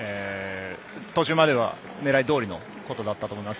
途中までは狙いどおりのだったと思います。